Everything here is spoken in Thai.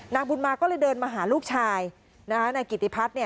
นางบุญมาก็เลยเดินมาหาลูกชายนะคะนายกิติพัฒน์เนี่ย